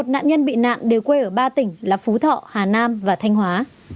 một nạn nhân bị nạn đều quê ở ba tỉnh là phú thọ hà nam và thanh hóa